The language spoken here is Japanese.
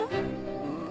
うん。